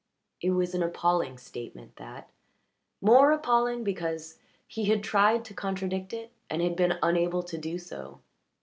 It was an appalling statement, that more appalling because he had tried to contradict it and had been unable to do so.